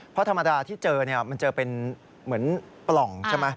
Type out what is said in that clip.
เพราะธรรมดาที่เจอมันเจอเป็นเหมือนปล่องใช่ไหม